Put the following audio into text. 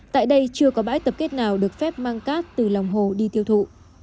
tại đây chưa có bãi tập kết nào được phép mang cát từ lòng hồ đi tiêu thụ